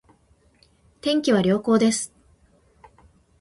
天気は良好です